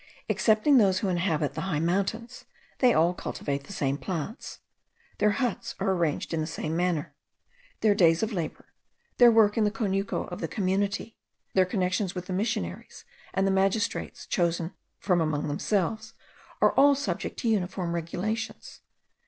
Excepting those who inhabit the high mountains, they all cultivate the same plants; their huts are arranged in the same manner; their days of labour, their work in the conuco of the community; their connexions with the missionaries and the magistrates chosen from among themselves, are all subject to uniform regulations.